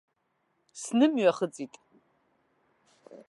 Снымҩахыҵит.